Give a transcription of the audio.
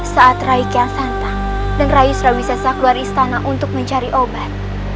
saat reikan santang dan raius rawisasa keluar istana untuk mencari obat